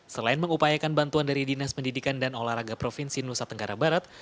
selain mengupayakan bantuan dari dinas pendidikan dan olahraga provinsi nusa tenggara barat